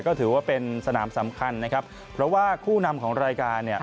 ก็ถือว่าเป็นสนามสำคัญนะครับเพราะว่าคู่นำของรายการเนี่ย